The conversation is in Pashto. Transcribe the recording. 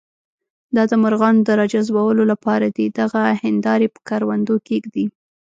دا د مرغانو د راجذبولو لپاره دي، دغه هندارې په کروندو کې ږدي.